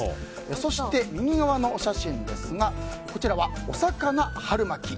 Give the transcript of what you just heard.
そして、右側のお写真ですがこちらは、おさかな春巻き。